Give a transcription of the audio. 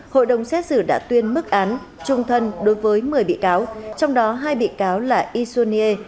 hội đồng xét xử đã tuyên mức án trung thân đối với một mươi bị cáo trong đó hai bị cáo là isonie